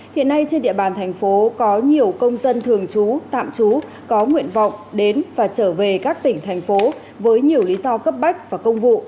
hiện nay trên địa bàn thành phố có nhiều công dân thường trú tạm trú có nguyện vọng đến và trở về các tỉnh thành phố với nhiều lý do cấp bách và công vụ